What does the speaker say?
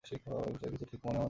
এ বিষয়ে কিছু ঠিক মনে হচ্ছে না।